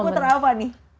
kalau putra apa nih